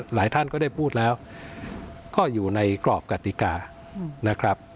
หลายท่านก็ได้พูดแล้วก็อยู่ในกรอบกติกานะครับ